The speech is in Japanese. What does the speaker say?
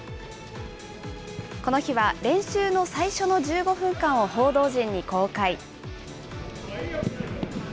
この日は練習の最初の１５分間を報道陣に公開。